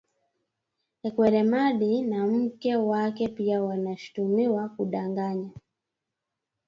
Ekweremadi na mke wake pia wanashutumiwa kudanganya